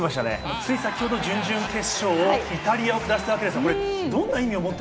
つい先ほど、準々決勝でイタリアを下しました。